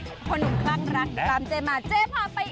คนหนูคล่างรักตามเจ๊มาเจ๊พาไปเอง